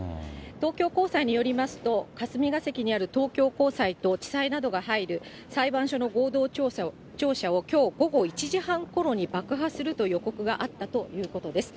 東京高裁によりますと、霞が関にある東京高裁と地裁などが入る裁判所の合同庁舎を、きょう午後１時半ごろに爆破すると予告があったということです。